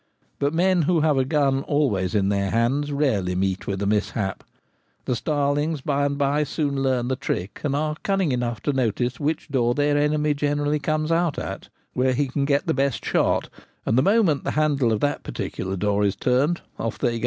But men who have a gun always in their hands rarely meet with a mishap. The starlings, by the by, soon learn the trick, and are cunning enough to notice which door their enemy generally comes out at, where he can get the best shot ; and the moment the handle of that particular door is turned, off they go.